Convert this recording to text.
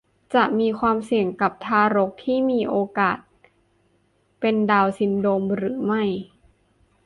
จะมีความเสี่ยงกับทารกที่มีโอกาสเป็นดาวน์ซินโดรมหรือไม่